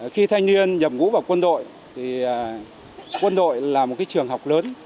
khi thanh niên nhập ngũ vào quân đội thì quân đội là một trường học lớn